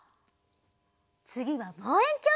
つぎはぼうえんきょう！